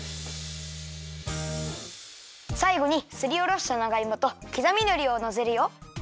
さいごにすりおろした長いもときざみのりをのせるよ。